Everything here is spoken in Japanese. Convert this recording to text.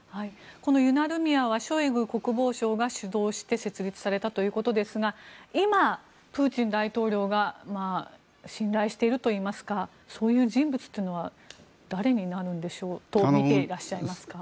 このユナルミヤはショイグ国防相が主導して設立されたということですが今、プーチン大統領が信頼しているといいますかそういう人物というのは誰になるとみていらっしゃいますか。